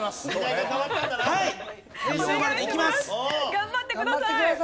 頑張ってください！